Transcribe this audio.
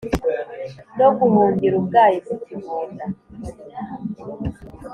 No guhungira ubwayi mu kigunda